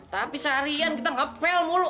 tapi seharian kita ngepel mulu